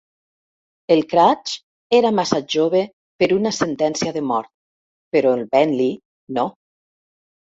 El Craig era massa jove per una sentència de mort, però el Bentley no.